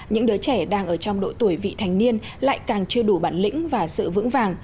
những đứa trẻ đang ở trong độ tuổi vị thành niên lại càng chưa đủ bản lĩnh và sự vững vàng